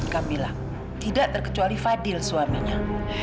kamila tidak terkecuali fadil suaminya